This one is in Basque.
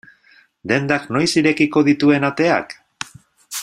Dendak noiz irekiko dituen ateak?